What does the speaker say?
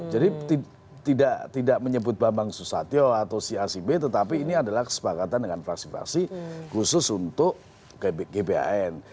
jadi tidak menyebut bambang susatyo atau si acb tetapi ini adalah kesepakatan dengan fasih fasih khusus untuk gban